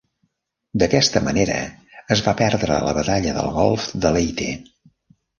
D'aquesta manera, es va perdre la Batalla del golf de Leyte.